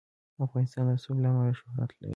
افغانستان د رسوب له امله شهرت لري.